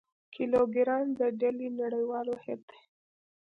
کیلوګرام د ډلي نړیوال واحد دی.